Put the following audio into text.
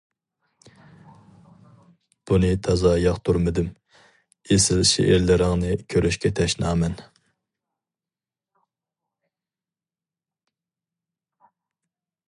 بۇنى تازا ياقتۇرمىدىم. ئېسىل شېئىرلىرىڭنى كۆرۈشكە تەشنامەن.